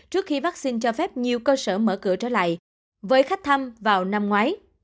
trước khi vaccine cho phép nhiều cơ sở mở cửa trở lại với khách thăm vào năm ngoái